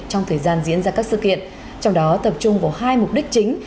trong thời gian diễn ra các sự kiện trong đó tập trung vào hai mục đích chính